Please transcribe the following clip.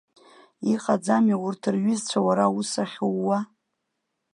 Иҟаӡами урҭ рҩызцәа уара аус ахьууа?